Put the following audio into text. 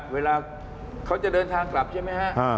เวลาเขาจะเดินทางกลับใช่ไหมฮะ